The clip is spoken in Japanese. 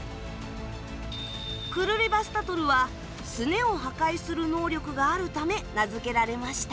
クルリヴァスタトルはスネを破壊する能力があるため名づけられました。